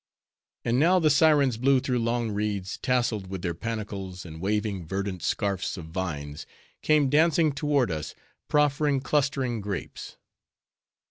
And now the syrens blew through long reeds, tasseled with their panicles, and waving verdant scarfs of vines, came dancing toward us, proffering clustering grapes.